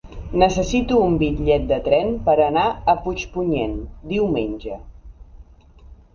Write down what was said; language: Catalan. Necessito un bitllet de tren per anar a Puigpunyent diumenge.